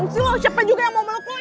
cepat siapa juga yang mau meluk lo ini